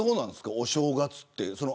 お正月って。